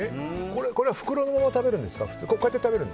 これは袋のまま食べるんですか普通。